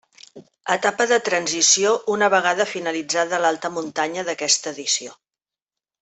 Etapa de transició una vegada finalitzada l'alta muntanya d'aquesta edició.